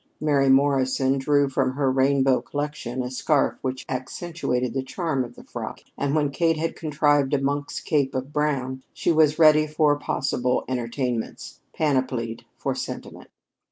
Mary Morrison drew from her rainbow collection a scarf which accentuated the charm of the frock, and when Kate had contrived a monk's cape of brown, she was ready for possible entertainments panoplied for sentiment.